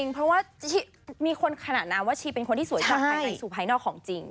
เพราะว่ามีคนขนาดนามว่าชีเป็นคนที่สวยจากใครไปสู่ภายนอกของจริง